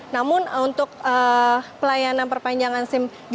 namun untuk perpanjangan surat izin mengemudi